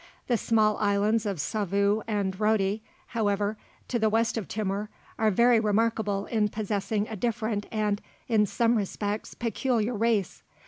The small islands of Savu and Rotti, however, to the west of Timor, are very remarkable in possessing a different and, in some respects, peculiar race.